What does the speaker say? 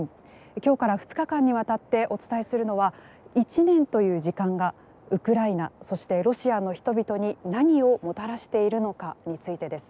今日から２日間にわたってお伝えするのは１年という時間がウクライナそしてロシアの人々に何をもたらしているのかについてです。